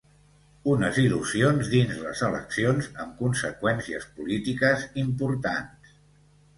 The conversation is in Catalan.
Unes il·lusions dins les eleccions, amb conseqüències polítiques importants.